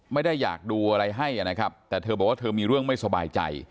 ไม่ได้อยากดูอะไรให้นะครับแต่เธอบอกว่าเธอมีเรื่องไม่สบายใจ